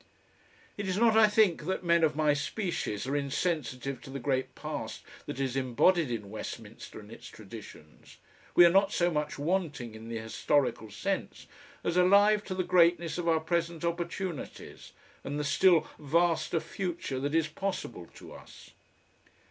It is not, I think, that men of my species are insensitive to the great past that is embodied in Westminster and its traditions; we are not so much wanting in the historical sense as alive to the greatness of our present opportunities and the still vaster future that is possible to us.